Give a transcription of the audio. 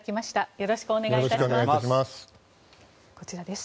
よろしくお願いします。